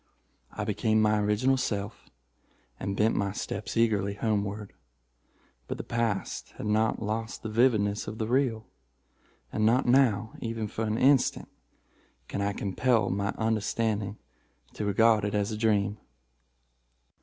I became my original self, and bent my steps eagerly homeward—but the past had not lost the vividness of the real—and not now, even for an instant, can I compel my understanding to regard it as a dream."